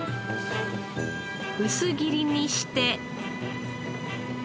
薄切りにして。